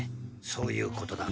そういうことだ。